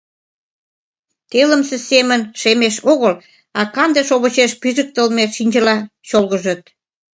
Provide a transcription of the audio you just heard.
Телымсе семын шемеш огыл, а канде шовычеш пижыктылме чинчыла чолгыжыт.